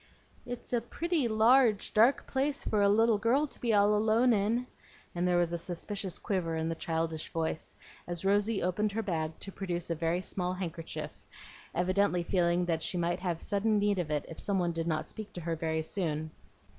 "It's a pretty large, dark place for a little girl to be all alone in;" and there was a suspicious quiver in the childish voice, as Rosy opened her bag to produce a very small handkerchief, evidently feeling that she might have sudden need of it if some one did not speak to her very soon.